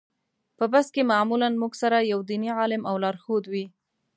په بس کې معمولا موږ سره یو دیني عالم او لارښود وي.